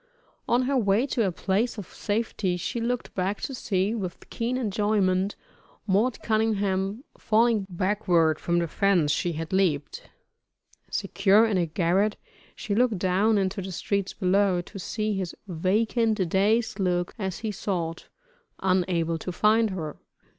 On her way to a place of safety she looked back to see, with keen enjoyment, "Mort Cunningham" falling backward from the fence she had leaped. Secure in a garret, she looked down into the streets below, to see his vacant, dazed look as he sought, unable to find her.